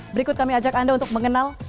berikut kami ajak anda untuk mengenal